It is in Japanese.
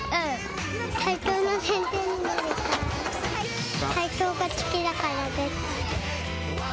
体操が好きだからです。